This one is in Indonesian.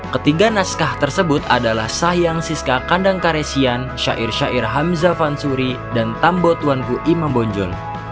ketiga naskah tersebut adalah sahyang siska kandang karesian syair syair hamzah fansuri dan tambotuanku ima bonjol